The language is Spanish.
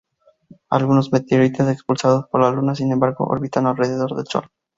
Algunos meteoritos expulsados por la Luna sin embargo, orbitan alrededor del Sol.